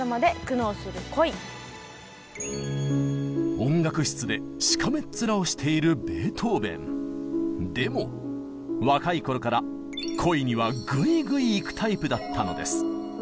音楽室でしかめっ面をしているでも若い頃から恋にはグイグイいくタイプだったのです。